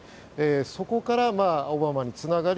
そこから、オバマにつながり